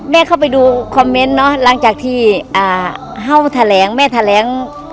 เข้าไปดูคอมเมนต์เนอะหลังจากที่เฮ่าแถลงแม่แถลง